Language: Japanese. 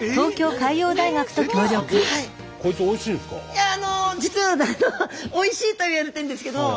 いやあの実はおいしいとはいわれてるんですけど。